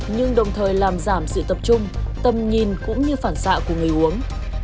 nhưng đồng thời làm giảm sự tập trung tầm nhìn cũng như phản xạ của người uống